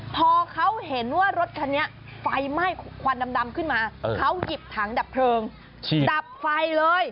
พอเขาเห็นว่ารถคันนี้ไฟไหม้ควันดำขึ้นมาเขาหยิบถังดับเพลิงดับไฟเลย